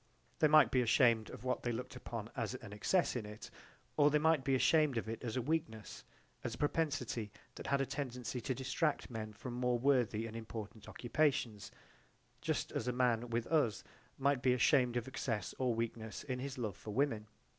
They might be ashamed of what they looked upon as an excess in it, or they might be ashamed of it as a weakness, as a propensity that had a tendency to distract men from more worthy and important occupations, just as a man with us might be ashamed of excess or weakness in his love for women.